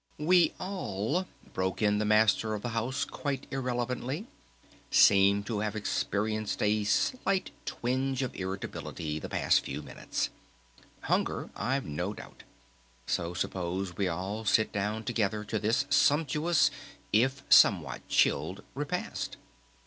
"We all," broke in the Master of the House quite irrelevantly, "seem to have experienced a slight twinge of irritability the past few minutes. Hunger, I've no doubt!... So suppose we all sit down together to this sumptuous if somewhat chilled repast?